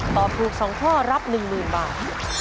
ตอบถูก๒ข้อรับ๑๐๐๐บาท